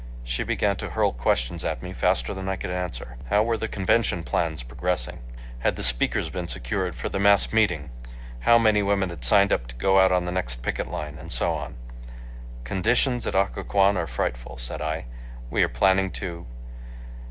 She began to hurl questions at me faster than I could answer. "How were the convention plans progressing?" ... "Had the speakers been secured for the mass meeting?" ... "How many women had signed up to go out on the next picket line?" And so on. "Conditions at Occoquan are frightful," said I. "We are planning to .